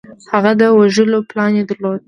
هغه د وژلو پلان یې درلود